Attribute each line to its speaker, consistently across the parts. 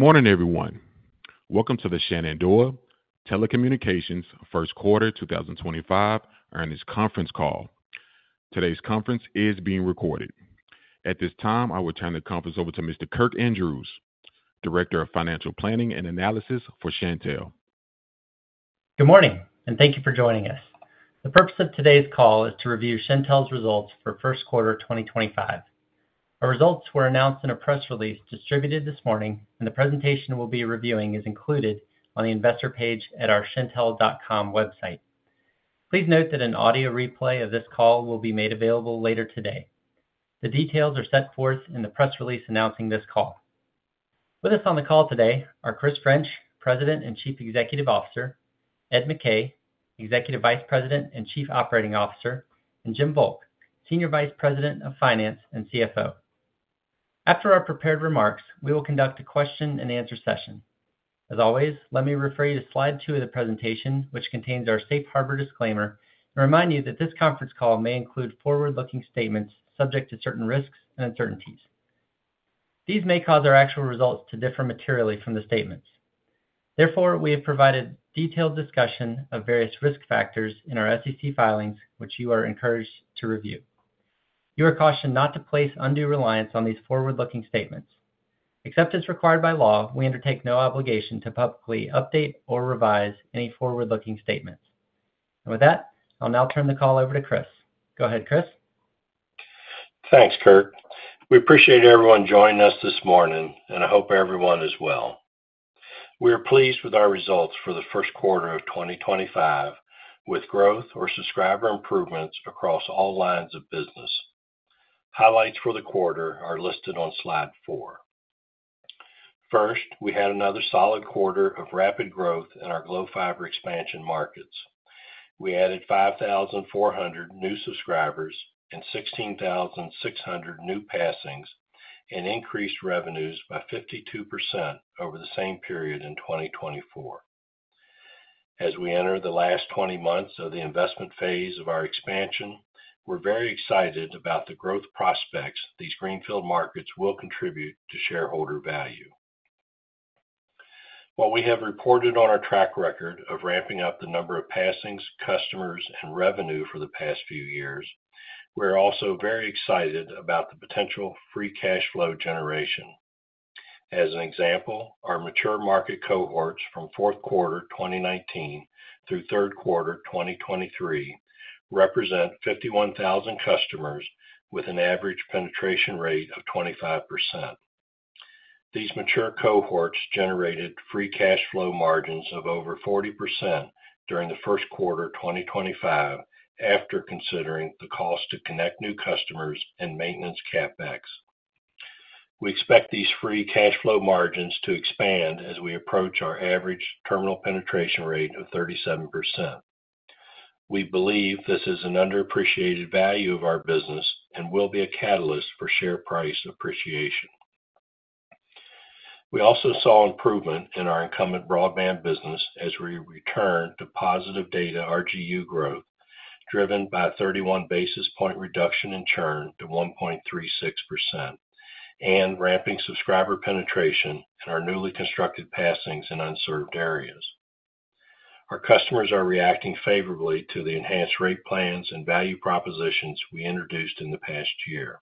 Speaker 1: Good morning everyone. Welcome to the Shenandoah Telecommunications first quarter 2025 earnings conference call. Today's conference is being recorded. At this time, I will turn the conference over to Mr. Kirk Andrews, Director of Financial Planning and Analysis for Shentel.
Speaker 2: Good morning and thank you for joining us. The purpose of today's call is to review Shentel's results for first quarter 2025. Our results were announced in a press release distributed this morning and the presentation we'll be reviewing is included on the Investor page at our shentel.com website. Please note that an audio replay of this call will be made available later today. The details are set forth in the press release announcing this call. With us on the call today are Chris French, President and Chief Executive Officer, Ed McKay, Executive Vice President and Chief Operating Officer, and Jim Volk, Senior Vice President of Finance and CFO. After our prepared remarks, we will conduct a question and answer session. As always, let me refer you to slide 2 of the presentation which contains our Safe Harbor disclaimer and remind you that this conference call may include forward looking statements subject to certain risks and uncertainties. These may cause our actual results to differ materially from the statements. Therefore, we have provided detailed discussion of various risk factors in our SEC filings which you are encouraged to review. You are cautioned not to place undue reliance on these forward looking statements. Except as required by law, we undertake no obligation to publicly update or revise any forward looking statements and with that, I'll now turn the call over to Chris. Go ahead Chris.
Speaker 3: Thanks Kirk. We appreciate everyone joining us this morning and I hope everyone is well. We are pleased with our results for the first quarter of 2025 with growth or subscriber improvements across all lines of business. Highlights for the quarter are listed on slide four. First, we had another solid quarter of rapid growth in our Glo Fiber expansion markets. We added 5,400 new subscribers and 16,600 new passings and increased revenues by 52% over the same period in 2024. As we enter the last 20 months of the investment phase of our expansion, we're very excited about the growth prospects these greenfield markets will contribute to shareholder value. While we have reported on our track record of ramping up the number of passings, customers and revenue for the past few years, we are also very excited about the potential free cash flow generation. As an example, our mature market cohorts from fourth quarter 2019 through third quarter 2023 represent 51,000 customers with an average penetration rate of 25%. These mature cohorts generated free cash flow margins of over 40% during the first quarter 2025. After considering the cost to connect new customers and maintenance CapEx, we expect these free cash flow margins to expand as we approach our average terminal penetration rate of 37%. We believe this is an underappreciated value of our business and will be a catalyst for share price appreciation. We also saw improvement in our incumbent broadband business as we return to positive data RGU driven by a 31 basis point reduction in churn to 1.36% and ramping subscriber penetration in our newly constructed passings in unserved areas. Our customers are reacting favorably to the enhanced rate plans and value propositions we introduced in the past year.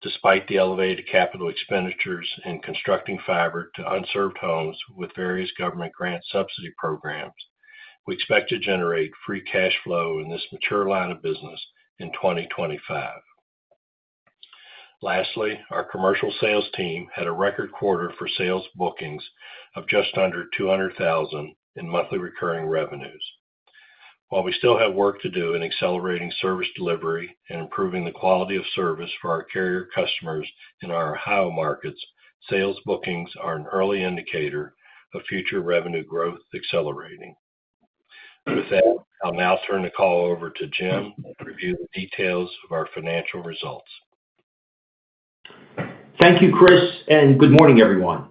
Speaker 3: Despite the elevated capital expenditures and constructing fiber to unserved homes with various government grant subsidy programs, we expect to generate free cash flow in this mature line of business in 2025. Lastly, our commercial sales team had a record quarter for sales bookings of just under $200,000 in monthly recurring revenues. While we still have work to do in accelerating service delivery and improving the quality of service for our carrier customers in our Ohio markets, sales bookings are an early indicator of future revenue growth accelerating. With that, I'll now turn the call over to Jim to review the details of our financial results.
Speaker 4: Thank you Chris and good morning everyone.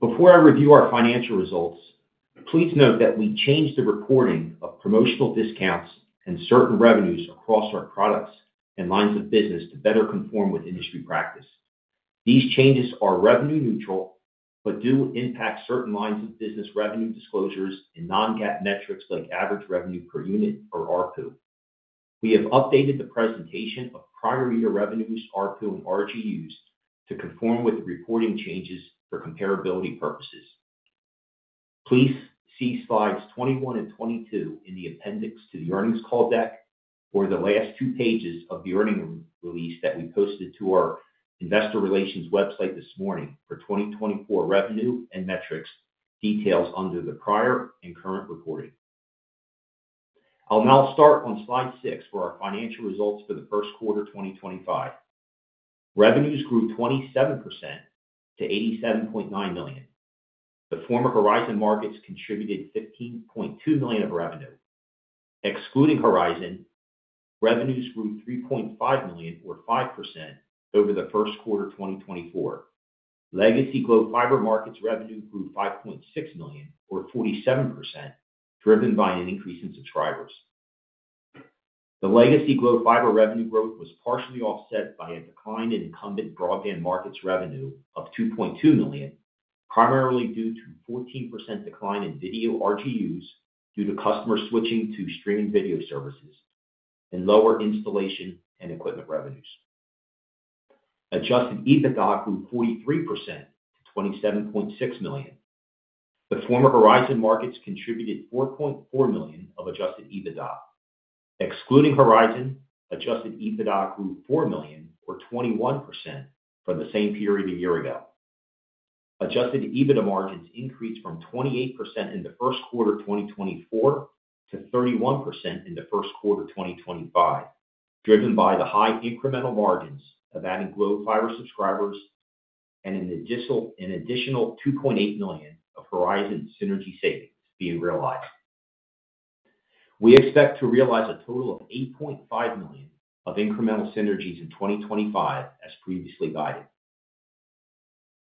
Speaker 4: Before I review our financial results, please note that we changed the reporting of promotional discounts and certain revenues across our products and lines of business to better conform with industry practice. These changes are revenue neutral but do impact certain lines of business revenue disclosures and non-GAAP metrics like Average Revenue per unit or ARPU. We have updated the presentation of prior year revenues, ARPU and RGUs to conform with reporting changes. For comparability purposes, please see slides 21 and 22 in the Appendix to the Earnings Call deck or the last two pages of the earnings release that we posted to our Investor Relations website this morning for 2024 revenue and metrics details under the prior and current reporting. I'll now start on Slide 6 for our financial results. For the first quarter 2025, revenues grew 27% to $87.9 million. The former Horizon markets contributed $15.2 million of revenue. Excluding Horizon, revenues grew $3.5 million or 5% over the first quarter 2024. Legacy Glo Fiber markets revenue grew $5.6 million or 47%, driven by an increase in subscribers. The Legacy Glo Fiber revenue growth was partially offset by a decline in Incumbent Broadband markets revenue of $2.2 million, primarily due to a 14% decline in video RGUs due to customers switching to streaming video services and lower installation and equipment revenues. Adjusted EBITDA grew 43% to $27.6 million. The former Horizon markets contributed $4.4 million of adjusted EBITDA. Excluding Horizon, adjusted EBITDA grew $4 million or 21% from the same period a year ago. Adjusted EBITDA margins increased from 28% in the first quarter 2024 to 31% in the first quarter 2025, driven by the high incremental margins of adding Glo Fiber subscribers and an additional $2.8 million of Horizon synergy savings being realized. We expect to realize a total of $8.5 million of incremental synergies in 2025. As previously guided,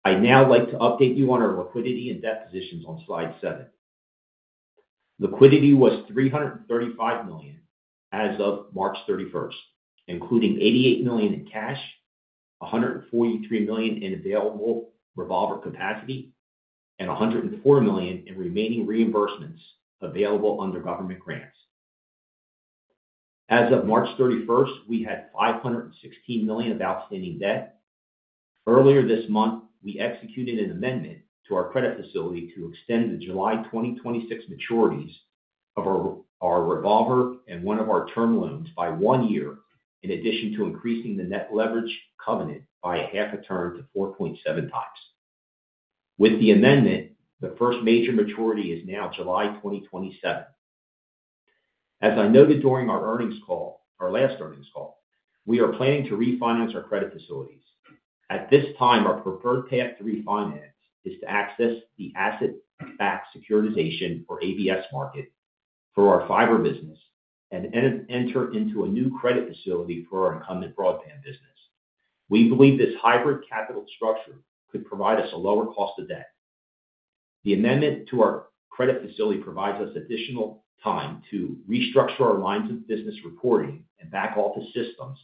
Speaker 4: I now like to update you on our liquidity and debt positions on Slide 7. Liquidity was $335 million as of March 31, including $88 million in cash, $143 million in available revolver capacity, and $104 million in remaining reimbursements available under government grants. As of March 31, we had $516 million of outstanding debt. Earlier this month we executed an amendment to our credit facility to extend the July 2026 maturities of our revolver and one of our term loans by one year, in addition to increasing the net leverage covenant by half a turn to 4.7 times. With the amendment, the first major maturity is now July 2027. As I noted during our last earnings call, we are planning to refinance our credit facilities at this time. Our preferred path to refinance is to access the Asset-Backed Securitization or ABS market for our fiber business and enter into a new credit facility for our incumbent broadband business. We believe this hybrid capital structure could provide us a lower cost of debt. The amendment to our credit facility provides us additional time to restructure our lines of business reporting and back office systems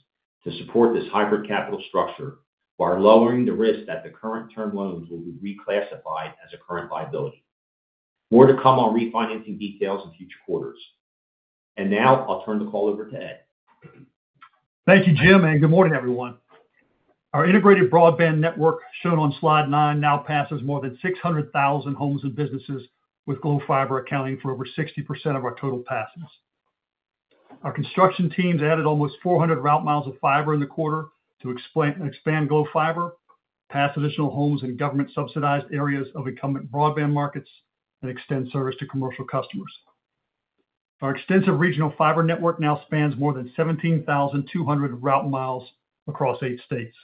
Speaker 4: to support this hybrid capital structure while lowering the risk that the current term loans will be reclassified as a current liability. More to come on refinancing details in future quarters. I'll turn the call over to Edward.
Speaker 5: Thank you, Jim, and good morning, everyone. Our integrated broadband network shown on slide nine now passes more than 600,000 homes and businesses with Glo Fiber accounting for over 60% of our total passings. Our construction teams added almost 400 route miles of fiber in the quarter to expand Glo Fiber, pass additional homes in government subsidized areas of incumbent broadband markets, and extend service to commercial customers. Our extensive regional fiber network now spans more than 17,200 route miles across eight states.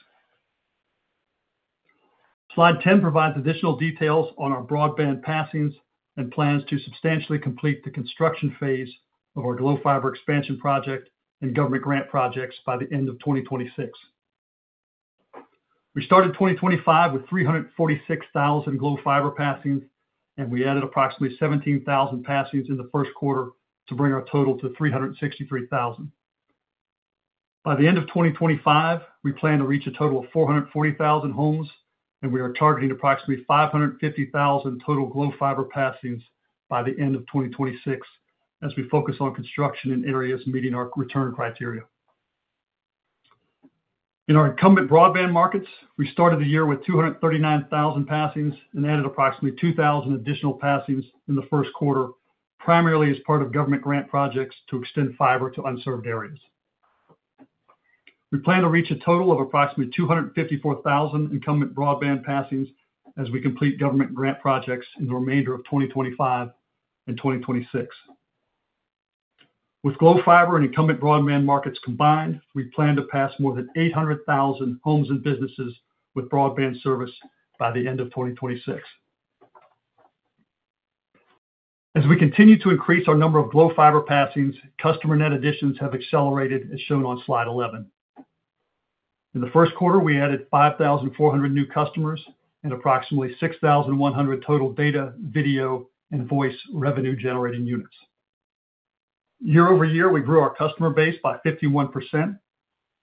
Speaker 5: Slide 10 provides additional details on our broadband passings and plans to substantially complete the construction phase of our Glo Fiber expansion project and government grant projects by the end of 2026. We started 2025 with 346,000 Glo Fiber passings and we added approximately 17,000 passings in the first quarter to bring our total to 363,000 by the end of 2025. We plan to reach a total of 440,000 homes and we are targeting approximately 550,000 total Glo Fiber passings by the end of 2026 as we focus on construction in areas meeting our return criteria in our incumbent broadband markets. We started the year with 239,000 passings and added approximately 2,000 additional passings in the first quarter, primarily as part of government grant projects to extend fiber to unserved areas. We plan to reach a total of approximately 254,000 incumbent broadband passings as we complete government grant projects in the remainder of 2025 and 2026. With Glo Fiber and incumbent broadband markets combined, we plan to pass more than 800,000 homes and businesses with broadband service by the end of 2026. As we continue to increase our number of Glo Fiber passings, customer net additions have accelerated as shown on slide 11. In the first quarter we added 5,400 new customers and approximately 6,100 total data, video, and voice revenue generating units year over year. We grew our customer base by 51%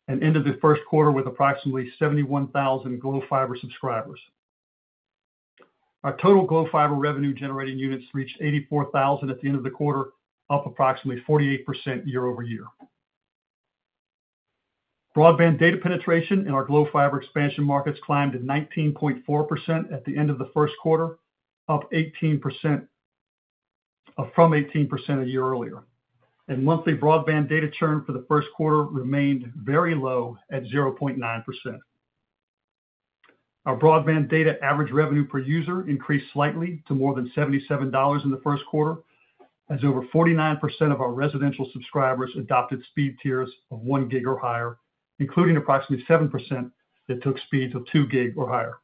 Speaker 5: and ended the first quarter with approximately 71,000 Glo Fiber subscribers. Our total Glo Fiber revenue generating units reached 84,000 at the end of the quarter, up approximately 48% year over year. Broadband data penetration in our Glo Fiber expansion markets climbed to 19.4% at the end of the first quarter, up from 18% a year earlier, and monthly broadband data churn for the first quarter remained very low at 0.9%. Our broadband data average revenue per user increased slightly to more than $77 in the first quarter as over 49% of our residential subscribers adopted speed tiers of 1 gig or higher, including approximately 7% that took speeds of 2 gig or higher.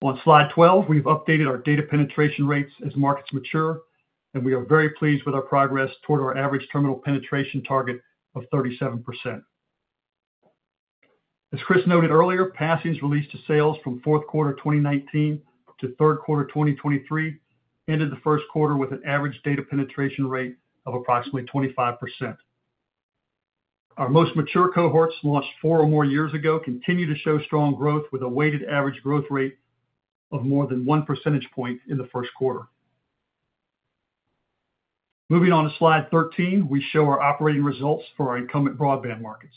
Speaker 5: On Slide 12, we've updated our data penetration rates as markets mature and we are very pleased with our progress toward our average terminal penetration target of 37%. As Chris noted earlier, passings released to sales from fourth quarter 2019 to third quarter 2023 ended the first quarter with an average data penetration rate of approximately 25%. Our most mature cohorts launched four or more years ago continue to show strong growth with a weighted average growth rate more than 1 percentage point in the first quarter. Moving on to Slide 13, we show our operating results for our incumbent broadband markets.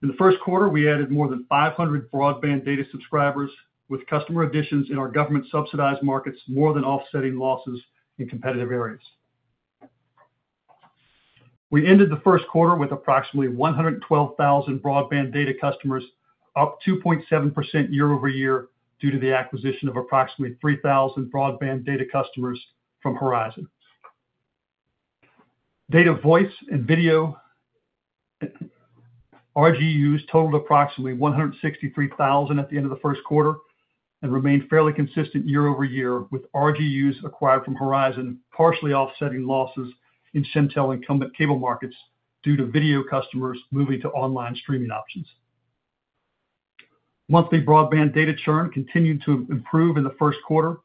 Speaker 5: In the first quarter we added more than 500 broadband data subscribers, with customer additions in our government subsidized markets more than offsetting losses in competitive areas. We ended the first quarter with approximately 112,000 broadband data customers, up 2.7% year over year due to the acquisition of approximately 3,000 broadband data customers from Horizon Telcom. Voice and video RGUs totaled approximately 163,000 at the end of the first quarter and remained fairly consistent year over year, with RGUs acquired from Horizon partially offsetting losses in Shentel incumbent cable markets due to video customers moving to online streaming options. Monthly broadband data churn continued to improve in the first quarter,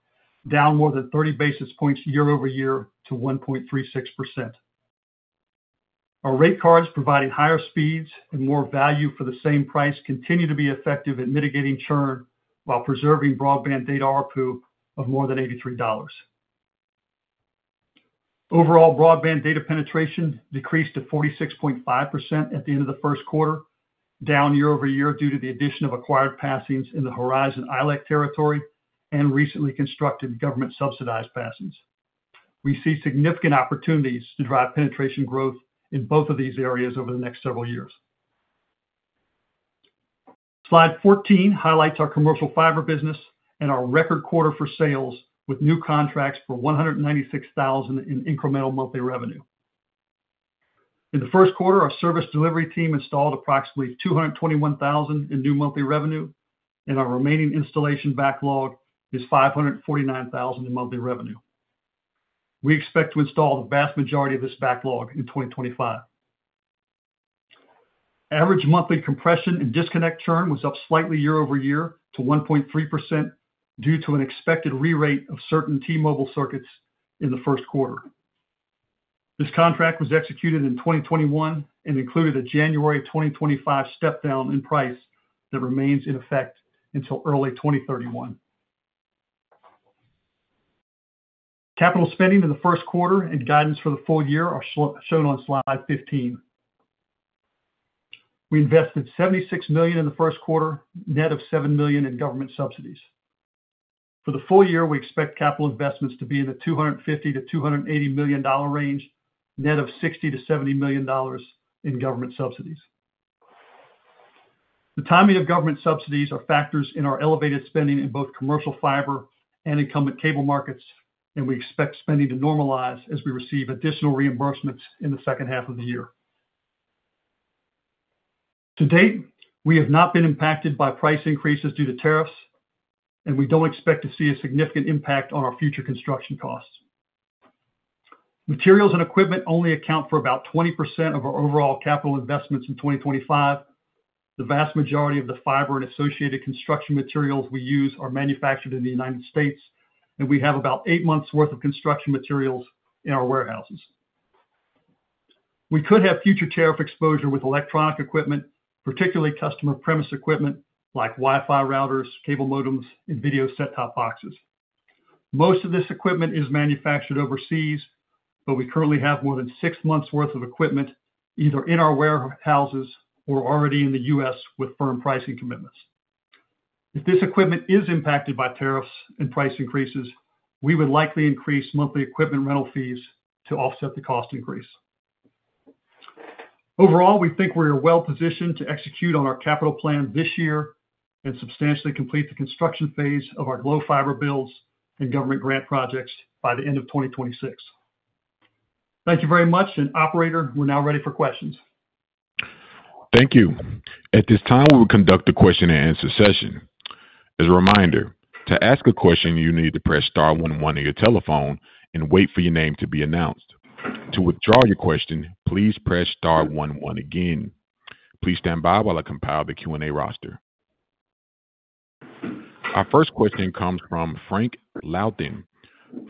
Speaker 5: down more than 30 basis points year over year to 1.36%. Our rate cards providing higher speeds and more value for the same price continue to be effective at mitigating churn while preserving broadband data ARPU of more than $83. Overall broadband data penetration decreased to 46.5% at the end of the first quarter, down year over year due to the addition of acquired passings in the Horizon ILEC territory and recently constructed government subsidized passings. We see significant opportunities to drive penetration growth in both of these areas over the next several years. Slide 14 highlights our commercial fiber business and our record quarter for sales with new contracts for $196,000 in incremental monthly revenue in the first quarter. Our service delivery team installed approximately $221,000 in new monthly revenue and our remaining installation backlog is $549,000 in monthly revenue. We expect to install the vast majority of this backlog in 2025. Average monthly compression and disconnect churn was up slightly year over year to 1.3% due to an expected re-rate of certain T-Mobile circuits in the first quarter. This contract was executed in 2021 and included a January 2025 step down in price that remains in effect until early 2031. Capital spending in the first quarter and guidance for the full year are shown on Slide 15. We invested $76 million in the first quarter, net of $7 million in government subsidies. For the full year, we expect capital investments to be in the $250-$280 million range, net of $60-$70 million in government subsidies. The timing of government subsidies are factors in our elevated spending in both commercial fiber and incumbent cable markets. We expect spending to normalize as we receive additional reimbursements in the second half of the year. To date, we have not been impacted by price increases due to tariffs and we don't expect to see a significant impact on our future construction costs. Materials and equipment only account for about 20% of our overall capital investments in 2025. The vast majority of the fiber and associated construction materials we use are manufactured in the United States. We have about eight months worth of construction materials in our warehouses. We could have future tariff exposure with electronic equipment, particularly customer premises equipment like Wi-Fi routers, cable modems and video set top boxes. Most of this equipment is manufactured overseas, but we currently have more than six months worth of equipment either in our warehouses or already in the U.S. with firm pricing commitments. If this equipment is impacted by tariffs and price increases, we would likely increase monthly equipment rental fees to offset the cost increase. Overall, we think we are well positioned to execute on our capital plan this year and substantially complete the construction phase of our Glo Fiber builds and government grant projects by the end of 2026. Thank you very much and operator. We're now ready for questions.
Speaker 1: Thank you. At this time we will conduct the question and answer session. As a reminder to ask a question, you need to press star one-one on your telephone and wait for your name to be announced. To withdraw your question, please press star one-one again. Please stand by while I compile the Q and A roster. Our first question comes from Frank Louthan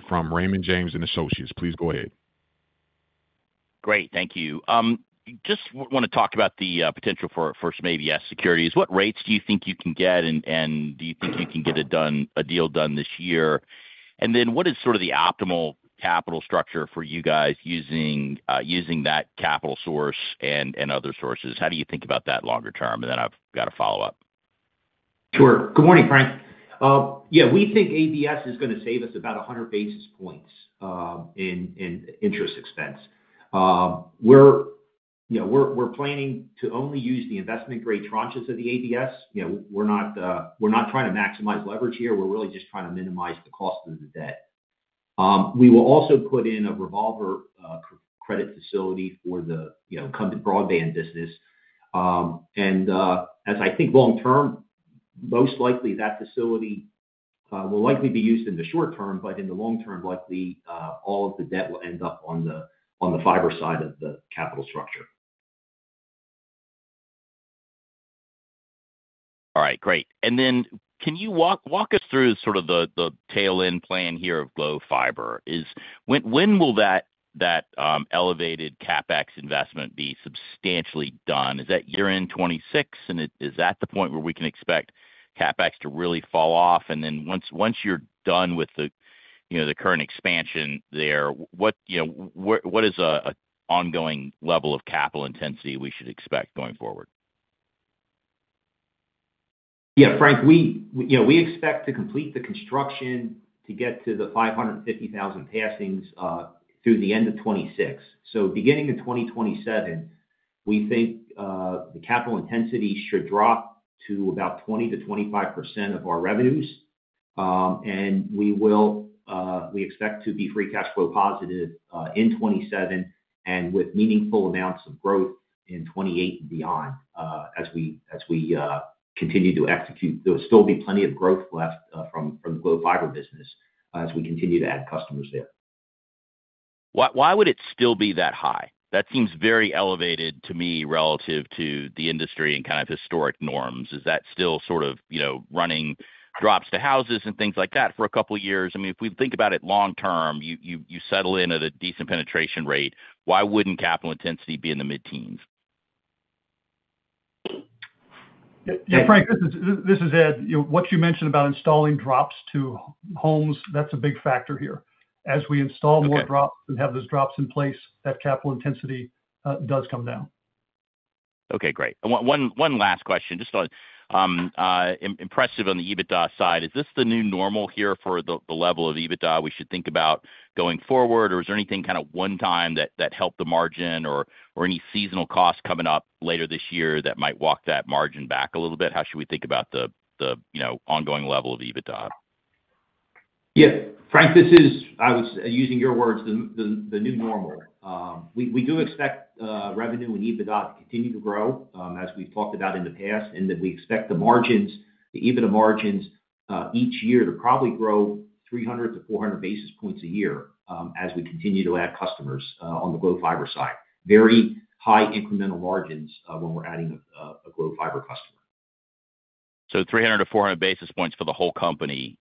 Speaker 1: from Raymond James and Associates. Please go ahead.
Speaker 6: Great, thank you. Just want to talk about the potential for some ABS securities. What rates do you think you can get and do you think you can get a deal done this year? Year. What is sort of the. Optimal capital structure for you guys using, using that capital source and other sources? How do you think about that longer term? And then I've got a follow up.
Speaker 4: Sure. Good morning, Frank. Yeah, we think ABS is going to save us about 100 basis points in interest expense. We're, you know, we're planning to only use the investment grade tranches of the ABS. We're not trying to maximize leverage here. We're really just trying to minimize the cost of the debt. We will also put in a revolver credit facility for the broadband business. As I think long term, most likely that facility will likely be used in the short term. In the long term, likely all of the debt will end up on the fiber side of the capital structure.
Speaker 6: All right, great. Can you walk us through sort of the tail end plan here of Glo Fiber? When will that elevated CapEx investment be substantially done? Is that year end 2026 and is that the point where we can expect CapEx to really fall off? Once you're done with the current expansion there, what is an ongoing level of capital intensity we should expect going forward?
Speaker 4: Yeah, Frank, we, you know, we expect to complete the construction to get to the 550,000 passings through the end of 2026. Beginning in 2027, we think the capital intensity should drop to about 20-25% of our revenues. We expect to be free cash flow positive in 2027 with meaningful amounts of growth in 2028 and beyond as we continue to execute. There will still be plenty of growth left from Glo Fiber business as we continue to add customers there.
Speaker 6: Why would it still be that high? That seems very elevated to me relative to the industry and kind of historic norms. Is that still sort of, you know, running drops to houses and things like that for a couple of years? I mean, if we think about it long term, you settle in at a decent penetration rate. Why wouldn't capital intensity be in the mid teens?
Speaker 5: Frank, this is Edward. What you mentioned about installing drops to homes, that's a big factor here. As we install more drops and have those drops in place, that capital intensity does come down.
Speaker 6: Okay, great. One last question. Just impressive on the EBITDA side. Is this the new normal here for the level of EBITDA we should think about going forward or is there anything kind of one time that helped the margin or any seasonal costs coming up later this year that might walk that margin back a little bit? How should we think about the, you know, ongoing level of EBITDA?
Speaker 5: Yeah, Frank, this is, I was using your words, the new normal. We do expect revenue and EBITDA to continue to grow as we've talked about in the past, and that we expect the margins, the EBITDA margins each year to probably grow 300-400 basis points a year as we continue to add customers on the Glo Fiber side, very high incremental margins when we're adding a Glo Fiber customer.
Speaker 6: Three hundred to four hundred basis points for the whole company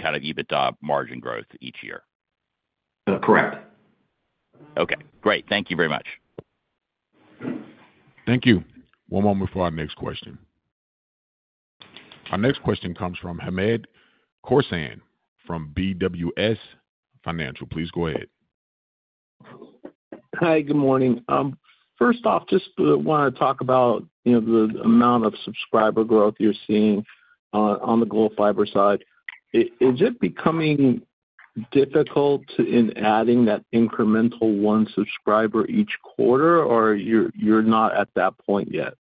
Speaker 6: kind of EBITDA margin growth each year?
Speaker 5: Correct.
Speaker 6: Okay, great. Thank you very much.
Speaker 1: Thank you. One moment for our next question. Our next question comes from Hamed Khorsand from BWS Financial. Please go ahead.
Speaker 7: Hi, good morning. First off, just want to talk about. The amount of subscriber growth you're seeing on the Glo Fiber side, is it becoming difficult in adding that incremental one subscriber each quarter or you're not at that point yet?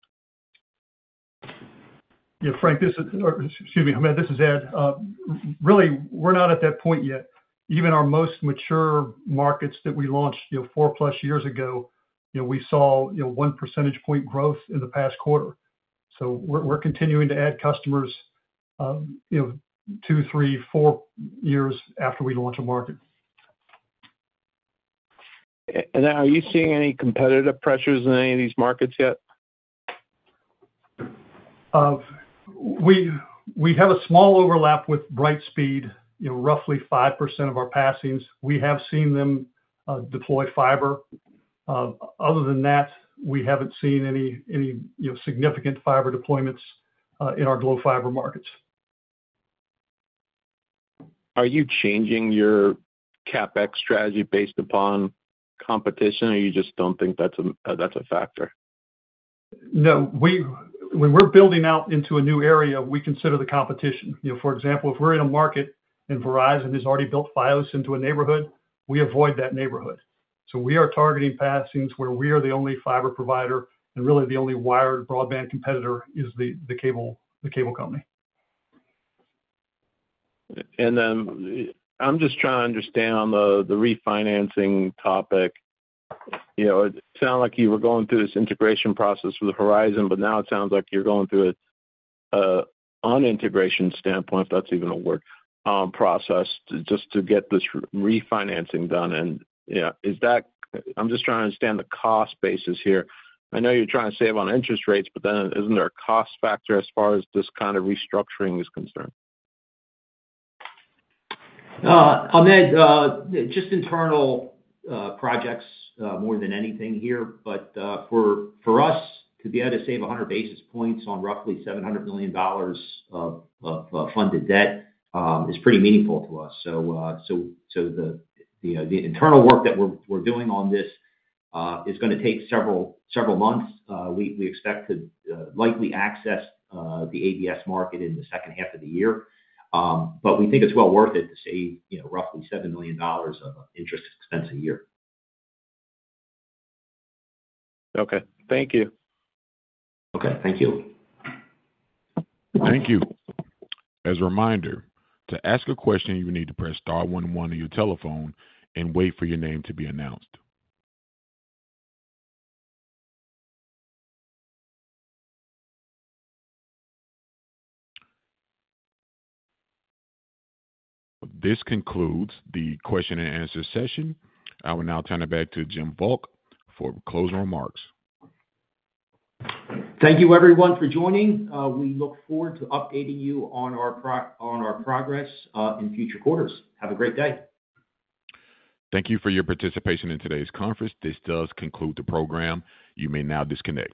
Speaker 5: Excuse me, this is Edward. Really, we're not at that point yet. Even our most mature markets that we launched four plus years ago, we saw one percentage point growth in the past quarter. So we're continuing to add customers two, three, four years after we launch a market.
Speaker 7: Are you seeing any competitive pressures in any of these markets yet?
Speaker 5: We have a small overlap with Brightspeed. You know, roughly 5% of our passings we have seen them deploy fiber. Other than that, we have not seen any, any significant fiber deployments in our Glo Fiber markets.
Speaker 7: Are you changing your CapEx strategy based upon competition or you just don't think that's a, that's a factor?
Speaker 5: No, we, when we're building out into a new area, we consider the competition. You know, for example, if we're in a market and Verizon has already built Fios into a neighborhood, we avoid that neighborhood. We are targeting passings where we are the only fiber provider and really the only wired broadband competitor is the cable. The cable company.
Speaker 7: I'm just trying to understand the refinancing topic. You know, it sounds like you were going through this integration process with Horizon, but now it sounds like you're going through it unintegration standpoint, if that's even a word, process just to get this refinancing done. Is that, I'm just trying to understand the cost basis here. I know you're trying to save on interest rates, but then isn't there a cost factor as far as this kind of restructuring is concerned?
Speaker 4: Ahmed, just internal projects more than anything here, but for future, for us to be able to save 100 basis points on roughly $700 million of funded debt is pretty meaningful to us. The internal work that we're doing on this is going to take several months. We expect to likely access the ABS market in the second half of the year, but we think it's well worth it to save roughly $7 million of interest expense a year.
Speaker 7: Okay, thank you.
Speaker 4: Okay, thank you.
Speaker 1: Thank you. As a reminder to ask a question, you need to press star one-one on your telephone and wait for your name to be announced. This concludes the question and answer session. I will now turn it back to Jim Volk for closing remarks.
Speaker 4: Thank you everyone for joining. We look forward to updating you on our progress in future quarters. Have a great day.
Speaker 1: Thank you for your participation in today's conference. This does conclude the program. You may now disconnect.